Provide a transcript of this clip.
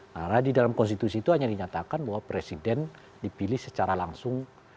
karena di dalam konstitusi itu hanya dinyatakan bahwa presiden dipilih secara langsung